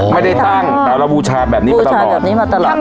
ไม่ได้ตั้งแต่เราบูชาแบบนี้มาตลอดแบบนี้มาตลอด